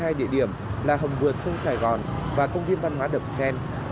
các địa điểm là hầm vượt sông sài gòn và công viên văn hóa đậm xen